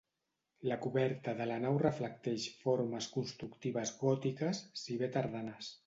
La coberta de la nau reflecteix formes constructives gòtiques, si bé tardanes.